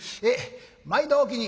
毎度おおきに！」。